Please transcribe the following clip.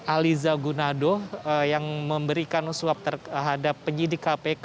aliza gunado yang memberikan suap terhadap penyidik kpk